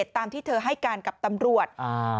ตามที่เธอให้การกับตำรวจ